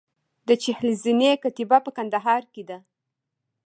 د چهل زینې کتیبه په کندهار کې ده